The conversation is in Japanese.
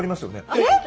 えっ